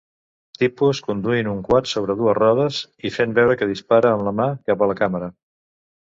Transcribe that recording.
Tipus conduint un quad sobre dues rodes i fent veure que dispara amb la mà cap a la càmera.